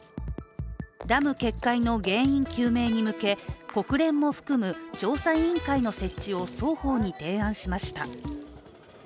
ダム決壊の原因究明に向け、国連も含む調査委員会の設置を双方に提案しました。